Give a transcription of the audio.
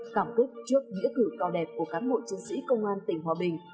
cảm kích trước nghĩa cử cao đẹp của cán bộ chiến sĩ công an tỉnh hòa bình